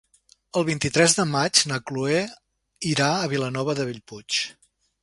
El vint-i-tres de maig na Cloè irà a Vilanova de Bellpuig.